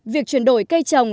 việc chuyển đổi cây trồng